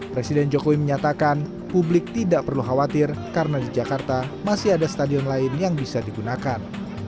presiden jokowi menyatakan publik tidak perlu khawatir karena di jakarta masih ada stadion lain yang bisa digunakan